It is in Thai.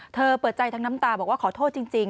เธอเปิดใจทั้งน้ำตาบอกว่าขอโทษจริง